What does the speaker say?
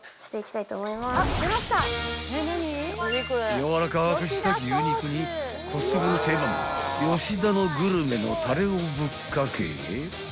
［柔らかくした牛肉にコストコの定番ヨシダのグルメのたれをぶっかけ］